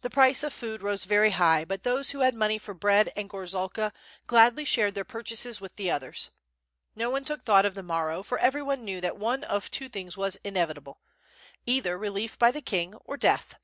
The price of food rose very high, but those who had money for bread and gorzalka gladly shared their purchases with the others. •No one took thought of the morrow, for everyone knew that one of two things was inevitable; either relief by the king or death.